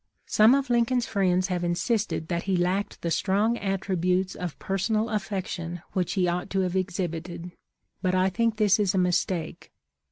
" Some of Lincoln's friends have insisted that he lacked the strong attributes of personal affection which he ought to have exhibited ; but I think this is a mistake.